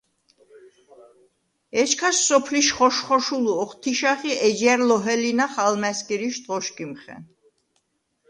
ეჩქას სოფლიშ ხოშ-ხოშოლუ ოხთიშახ ი ეჯჲა̈რ ლოჰელინახ ალმა̈სგირიშდ ღოშგიმხენ.